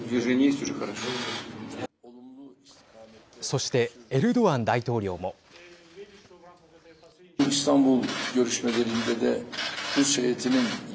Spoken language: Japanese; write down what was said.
そして、エルドアン大統領も。